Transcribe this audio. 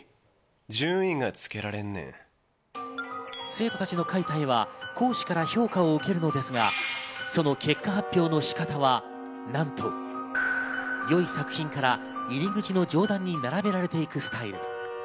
生徒たちの描いた絵は講師から評価を受けるのですが、その結果発表の仕方はなんと、良い作品から入り口の上段に並べられていくスタイル。